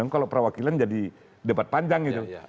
kalau perwakilan jadi debat panjang gitu